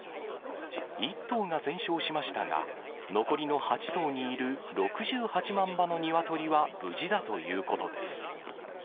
１棟が全焼しましたが、残りの８棟にいる６８万羽の鶏は無事だということです。